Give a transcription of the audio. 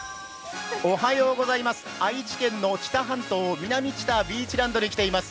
愛知県の知多半島南知多ビーチランドに来ています。